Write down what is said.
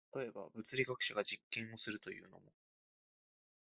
例えば、物理学者が実験をするというのも、